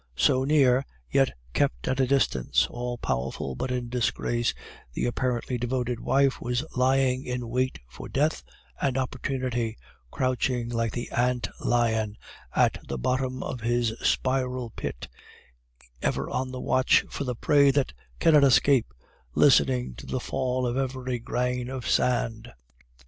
So near, yet kept at a distance; all powerful, but in disgrace, the apparently devoted wife was lying in wait for death and opportunity; crouching like the ant lion at the bottom of his spiral pit, ever on the watch for the prey that cannot escape, listening to the fall of every grain of sand.